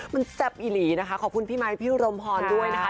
มันแซ่บอีหลีนะคะขอบคุณพี่ไมค์พี่รมพรด้วยนะคะ